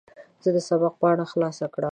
زه د سبق پاڼه خلاصه کړم.